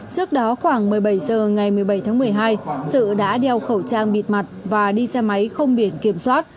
trước đó khoảng một mươi bảy h ngày một mươi bảy tháng một mươi hai sự đã đeo khẩu trang bịt mặt và đi xe máy không biển kiểm soát